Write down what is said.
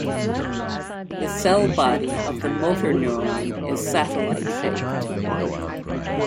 The cell body of the motor neuron is satellite-shaped.